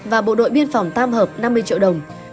và bộ đội biên phòng tam hợp năm mươi triệu đồng